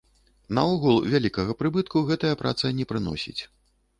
Наогул, вялікага прыбытку гэтая праца не прыносіць.